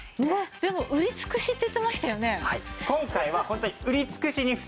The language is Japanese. でも売り尽くしって言ってましたよね？